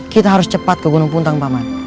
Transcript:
kita harus cepat ke gunung puntang paman